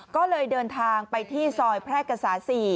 ก็เลยเดินทางไปที่ซอยแพร่กษา๔